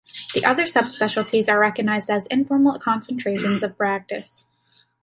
The other subspecialties are recognized as informal concentrations of practice.